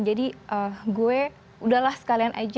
jadi saya sudah sekalian saja